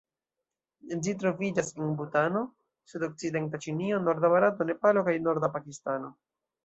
Ĝi troviĝas en Butano, sudokcidenta Ĉinio, norda Barato, Nepalo kaj norda Pakistano.